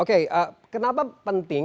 oke kenapa penting